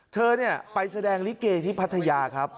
เธอเนี่ยไปแสดงลิเกย์ที่พัทยาครับ